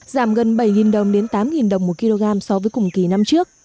giảm gần bảy đồng đến tám đồng một kg so với cùng kỳ năm trước